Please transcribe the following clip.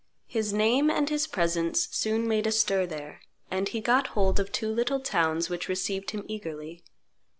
His name and his presence soon made a stir there; and he got hold of two little towns which received him eagerly.